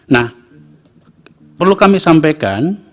nah perlu kami sampaikan